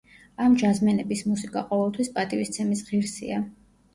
ამ ჯაზმენების მუსიკა ყოველთვის პატივისცემის ღირსია.